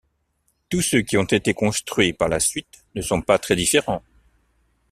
Tous ceux qui ont été construits par la suite ne sont pas très différents.